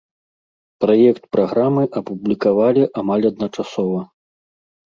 Праект праграмы апублікавалі амаль адначасова.